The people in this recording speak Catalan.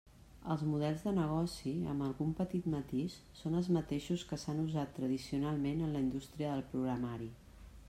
Els models de negoci, amb algun petit matís, són els mateixos que s'han usat tradicionalment en la indústria del programari.